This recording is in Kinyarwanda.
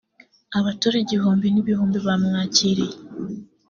Abaturage ibihumbi n’ibihumbi bamwakiriye